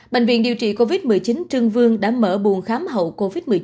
bệnh viện điều trị covid một mươi chín trương vương đã mở buồn khám hậu covid một mươi chín